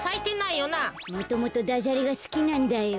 もともとダジャレがすきなんだよ。